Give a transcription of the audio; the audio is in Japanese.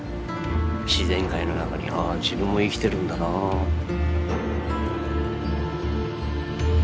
自然界の中にああ自分も生きてるんだなあって。